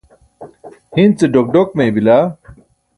hin ce ḍok ḍok mey bila